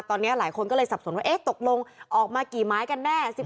ตอนนี้หลายคนก็เลยสับสนว่าตกลงออกมากี่ไม้กันแน่